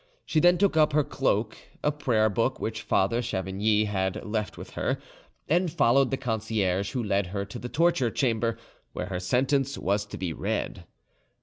She then took up her cloak, a prayer book which Father Chavigny had left with her, and followed the concierge, who led her to the torture chamber, where her sentence was to be read.